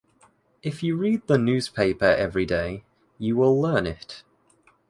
If you read the newspaper every day, you will learn it.